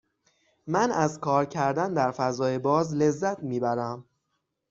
من از کار کردن در فضای باز لذت می برم.